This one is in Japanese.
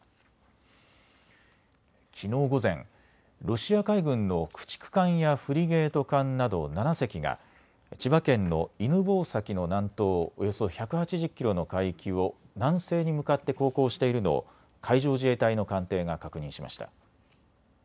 きのう午前、ロシア海軍の駆逐艦やフリゲート艦など７隻が千葉県の犬吠埼の南東およそ１８０キロの海域を南西に向かって航行しているのを海上自衛隊の艦艇が確認しました。